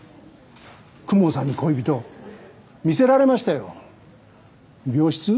公文さんに恋人見せられましたよ病室？